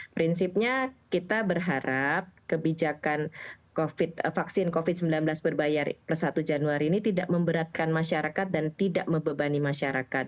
prinsipnya kita berharap kebijakan vaksin covid sembilan belas berbayar per satu januari ini tidak memberatkan masyarakat dan tidak membebani masyarakat